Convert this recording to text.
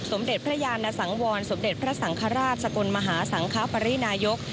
สมเด็จพระยานสังวรสมเด็จพระสังฆราชสกลมหาสังคปรินายก